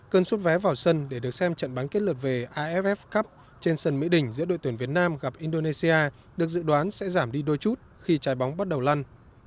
cơn xuất vé vào sân để được xem trận bán kết lượt về aff cup trên sân mỹ đình giữa đội tuyển việt nam gặp indonesia được dự đoán sẽ giảm đi đôi chút khi trái bóng bắt đầu lăn